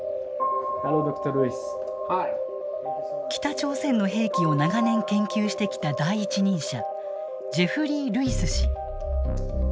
北朝鮮の兵器を長年研究してきた第一人者ジェフリー・ルイス氏。